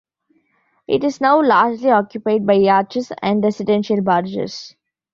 It is now largely occupied by yachts and residential barges.